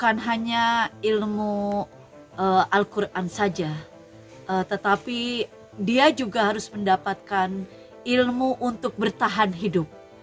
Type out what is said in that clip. bukan hanya ilmu al quran saja tetapi dia juga harus mendapatkan ilmu untuk bertahan hidup